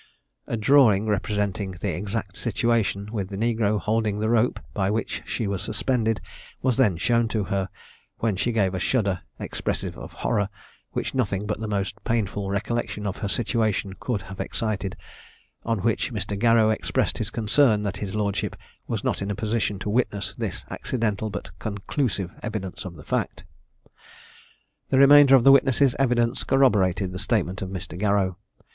A drawing representing the exact situation, with the negro holding the rope by which she was suspended, was then shown to her; when she gave a shudder, expressive of horror, which nothing but the most painful recollection of her situation could have excited; on which Mr. Garrow expressed his concern that his Lordship was not in a position to witness this accidental, but conclusive, evidence of the fact. The remainder of the witness's evidence corroborated the statement of Mr. Garrow.